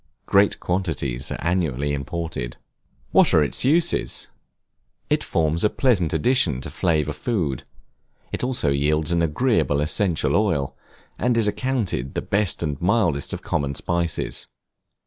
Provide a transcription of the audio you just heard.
Great quantities are annually imported. What are its uses? It forms a pleasant addition to flavor food; it also yields an agreeable essential oil, and is accounted the best and mildest of common spices.